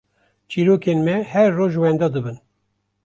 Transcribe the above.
çîrokên me her roj wenda dibin.